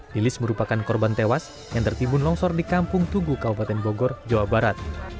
lilis merupakan korban tewas yang tertimbun longsor di kampung tugu kabupaten bogor jawa barat